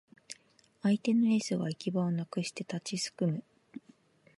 相手のエースが行き場をなくして立ちすくむ